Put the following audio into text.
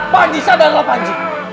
panji sadarlah panji